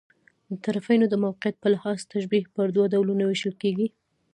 د طرفَینو د موقعیت په لحاظ، تشبیه پر دوه ډولونو وېشل کېږي.